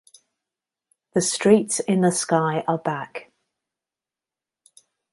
The streets in the sky are back.